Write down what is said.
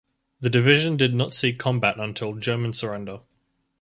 The division did not see combat until German surrender.